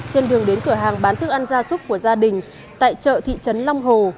trên đường đến cửa hàng bán thức ăn gia súc của gia đình tại chợ thị trấn long hồ